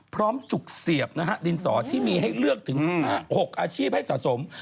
จุกเสียบนะฮะดินสอที่มีให้เลือกถึง๖อาชีพให้สะสม